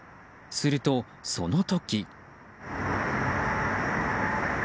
すると、その時。